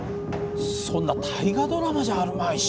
そんな「大河ドラマ」じゃあるまいし。